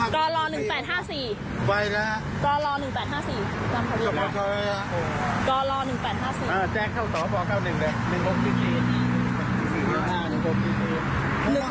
ตอนนี้เดี๋ยวรองราวมงวาน